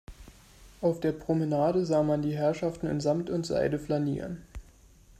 Auf der Promenade sah man die Herrschaften in Samt und Seide flanieren.